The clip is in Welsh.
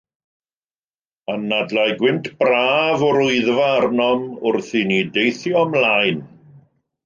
Anadlai gwynt braf o'r Wyddfa arnom wrth i ni deithio ymlaen.